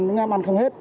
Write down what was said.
chúng em ăn không hết